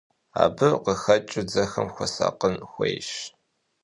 Абы къыхэкӀыу дзэхэм хуэсакъын хуейщ.